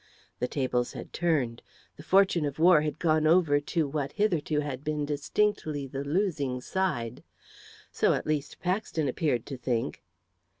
The tables had turned. The fortune of war had gone over to what hitherto had been distinctly the losing side. So at least Paxton appeared to think.